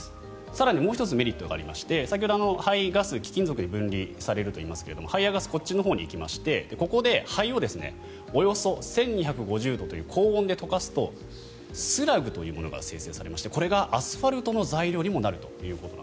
更にもう１つメリットがありまして先ほど灰、ガス、貴金属に分離されるといいましたが灰やガス、こっちに行きましてここで灰をおよそ１２５０度という高温で溶かすとスラグというものが生成されましてこれがアスファルトの材料にもなると。